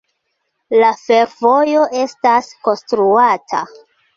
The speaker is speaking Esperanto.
La fervojo estas konstruata.